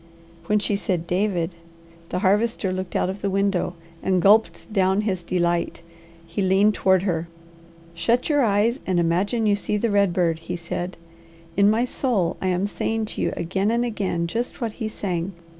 When she said "David," the Harvester looked out of the window and gulped down his delight. He leaned toward her. "Shut your eyes and imagine you see the red bird," he said. "In my soul, I am saying to you again and again just what he sang.